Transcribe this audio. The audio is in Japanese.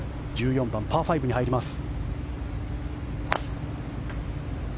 １４番、パー５に入ります。